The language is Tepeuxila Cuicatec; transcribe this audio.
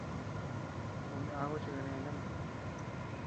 Un aku chi kaneta mi.